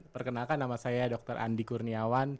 perkenalkan nama saya dr andi kurniawan